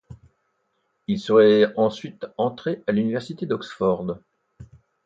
Il serait ensuite entré à l’université d’Oxford.